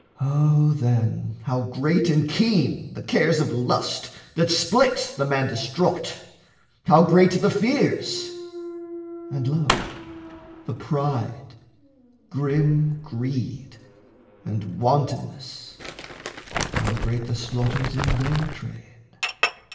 O then how great and keen the cares of lust That split the man distraught! How great the fears! And lo, the pride, grim greed, and wantonness How great the slaughters in their train!